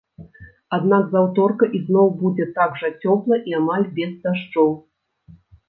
Аднак з аўторка ізноў будзе так жа цёпла і амаль без дажджоў.